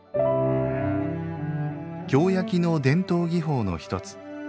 京焼の伝統技法のひとつ